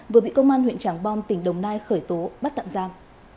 vừa bị công an huyện tràng bom tỉnh đồng nai khởi tố bắt tạm giam